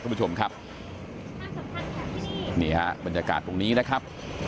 คุณผู้ชมครับนี่ฮะบรรยากาศตรงนี้นะครับ